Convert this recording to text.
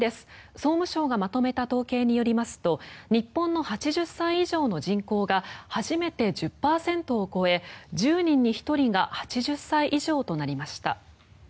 総務省がまとめた統計によりますと日本の８０歳以上の人口が初めて１０％を超え１０人に１人が８０歳以上となりました。